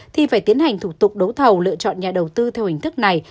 thì phải tiến hành thủ tục đấu thầu lựa chọn nhà đầu tư theo hình thức này